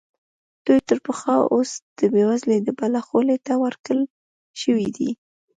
دوی تر پخوا اوس د بېوزلۍ د بلا خولې ته ورکړل شوي دي.